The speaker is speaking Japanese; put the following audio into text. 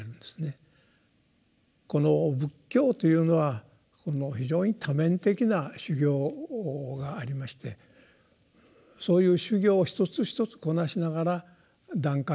この仏教というのは非常に多面的な修行がありましてそういう修行を一つ一つこなしながら段階を踏んでこの悟りへの道を歩むと。